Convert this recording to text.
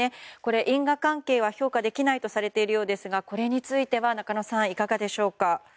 因果関係は評価できないとされているそうですがこれについては中野さん、いかがでしょうか。